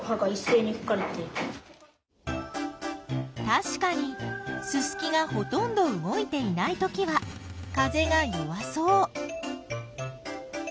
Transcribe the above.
たしかにススキがほとんど動いていないときは風が弱そう。